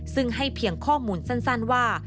ซึ่งให้เพียงข้อมูลสั้นว่า